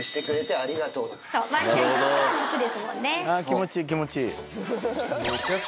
気持ちいい気持ちいい。